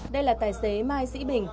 đây là tài xế mai sĩ bình